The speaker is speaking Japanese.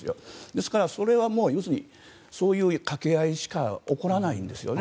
ですからそれはそういう掛け合いしか起こらないんですよね。